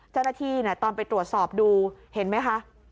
เจ้าหน้าที่ตอนไปตรวจสอบดูเห็นไหมคะ